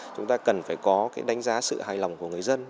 chúng ta cần phải có đánh giá sự hài lòng của người dân